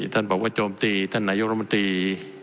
ท่านบอกว่าโจมตีท่านนายกรมนตรี